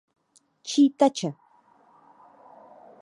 Čítače